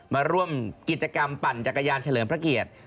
มาร่วมกิจกรรมปั่นจักรยานเฉลิมพระเกียรติ